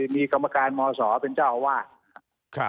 มีกรรมการมศเป็นเจ้าอาวาสครับ